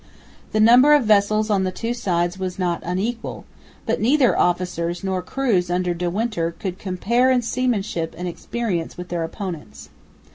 The number of vessels on the two sides was not unequal, but neither officers nor crews under De Winter could compare in seamanship and experience with their opponents.